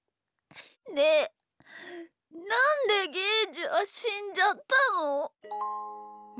ねえなんでゲージはしんじゃったの？